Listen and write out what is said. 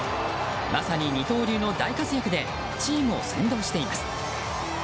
まさに二刀流の大活躍でチームを先導しています。